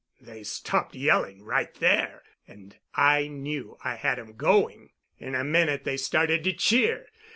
"They stopped yelling right there, and I knew I had 'em going. In a minute they started to cheer.